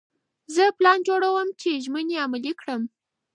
زه پلان جوړوم چې ژمنې عملي کړم.